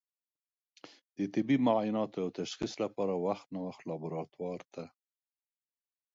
د طبي معایناتو او تشخیص لپاره وخت نا وخت لابراتوار ته